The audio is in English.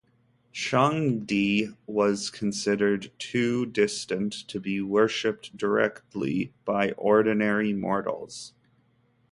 Shangdi was considered too distant to be worshiped directly by ordinary mortals.